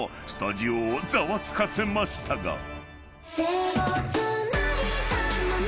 ［スタジオをざわつかせましたが］